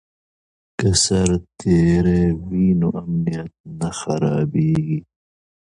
که سرتیری وي نو امنیت نه خرابېږي.